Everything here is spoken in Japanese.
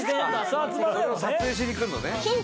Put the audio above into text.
それを撮影しに来るのね